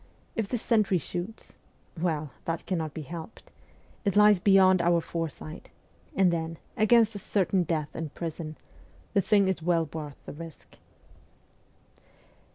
If the sentry shoots well, that cannot be helped ; it lies beyond our foresight ; and then, against a certain death in prison, the thing is well worth the risk.'